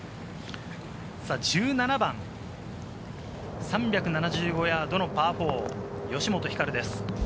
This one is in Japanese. １７番、３７５ヤードのパー４、吉本ひかるです。